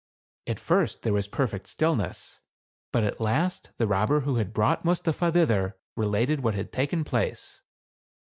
At first there was perfect stillness; but at last the robber who had brought Mustapha thither related what had taken place.